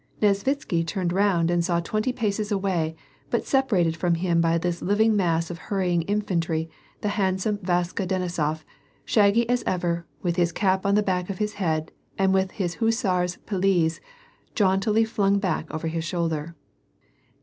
Nesvitsky turned round and saw twenty paces away, but separated from him by this living mass of hurrying infantry the handsome Vaska Denisof, shaggy as ever, with his cap on the back of his head, and with his hussar's pelisse jauntily flung back over his shoulder.